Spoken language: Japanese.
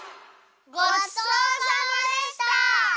ごちそうさまでした！